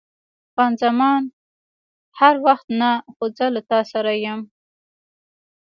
خان زمان: هر وخت نه، خو زه له تا سره یم.